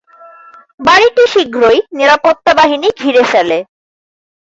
বাড়িটি শীঘ্রই নিরাপত্তা বাহিনী ঘিরে ফেলে।